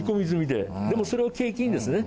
でもそれを契機にですね